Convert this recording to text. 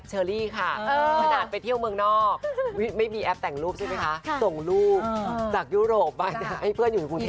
เชอรี่ค่ะขนาดไปเที่ยวเมืองนอกไม่มีแอปแต่งรูปใช่ไหมคะส่งรูปจากยุโรปไปให้เพื่อนอยู่ในกรุงเทพ